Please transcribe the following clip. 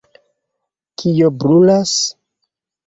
kio brulas?